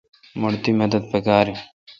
مٹھ تی مدد پکار این۔